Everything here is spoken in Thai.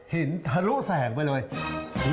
ทะลุแสงไปเลย